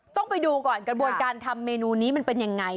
ต้องไปดูก่อนกระบวนการทำเมนูนี้มันเป็นยังไง